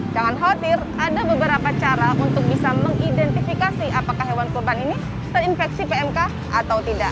jangan khawatir ada beberapa cara untuk bisa mengidentifikasi apakah hewan kurban ini terinfeksi pmk atau tidak